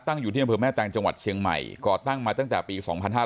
อยู่ที่อำเภอแม่แตงจังหวัดเชียงใหม่ก่อตั้งมาตั้งแต่ปี๒๕๕๙